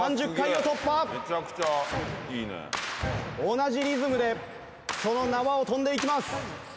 同じリズムでその縄を跳んでいきます。